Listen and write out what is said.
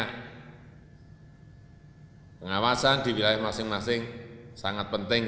pengawasan di wilayah masing masing sangat penting